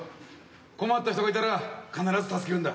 困った人がいたら必ず助けるんだ。